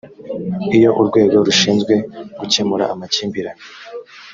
iyo urwego rushinzwe gukemura amakimbirane